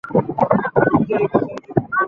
মঞ্জুরী, কোথায় তুমি?